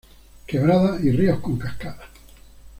Quebradas y ríos con cascadas.